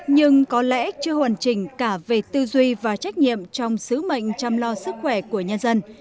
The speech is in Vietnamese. nhưng có lẽ chưa hoàn chỉnh cả về tư duy và trách nhiệm trong sứ mệnh chăm lo sức khỏe của nhân dân